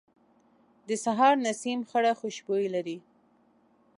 د سهار نسیم خړه خوشبويي لري